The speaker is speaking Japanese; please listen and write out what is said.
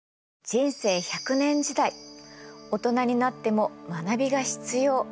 人生１００年時代大人になっても学びが必要。